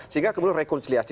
sehingga kemudian rekonsiliasi